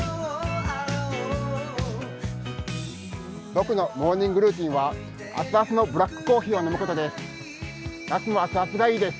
僕のモーニングルーティンは熱々のブラックコーヒーを飲むことです。